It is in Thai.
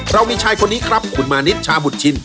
เรามีชายคนนี้ครับคุณมานิดชาบุตรชิน